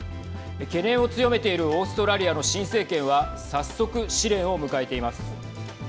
懸念を強めているオーストラリアの新政権は早速、試練を迎えています。